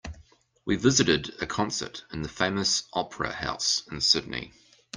We visited a concert in the famous opera house in Sydney.